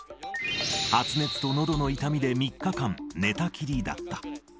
発熱とのどの痛みで３日間、寝たきりだった。